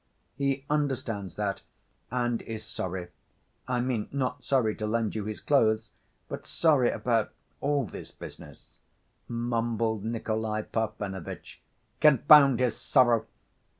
"He understands that, and is sorry ... I mean, not sorry to lend you his clothes, but sorry about all this business," mumbled Nikolay Parfenovitch. "Confound his sorrow!